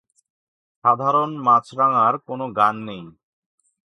সাধারণ মাছরাঙার কোন গান নেই।